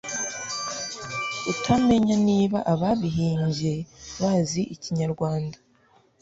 utamenya niba ababihimbye bazi ikinyarwanda,